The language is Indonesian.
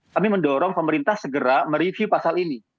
kami mendorong pemerintah segera mereview pasal ini